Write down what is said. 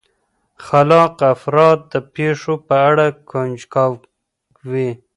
خلاق افراد د پېښو په اړه کنجکاو وي.